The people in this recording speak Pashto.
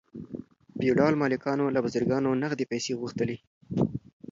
فیوډال مالکانو له بزګرانو نغدې پیسې غوښتلې.